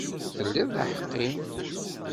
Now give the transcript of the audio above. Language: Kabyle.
Ur telliḍ d aḥeqqi.